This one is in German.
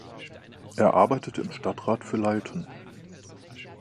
Er arbeitete im Stadtrat für Lyleton.